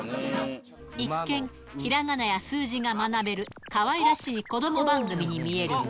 一見、ひらがなや数字が学べるかわいらしい子ども番組に見えるが。